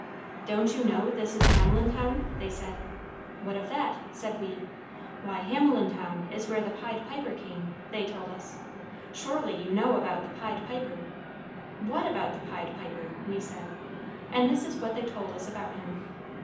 "Don't you know this is Hamelin town?" they said. "What of that?" said we. "Why, Hamelin town is where the Pied Piper came," they told us; "surely you know about the Pied Piper?" "What about the Pied Piper?" we said. And this is what they told us about him.